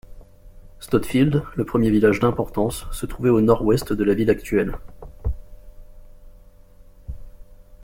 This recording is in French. Stotfield, le premier village d'importance, se trouvait au nord-ouest de la ville actuelle.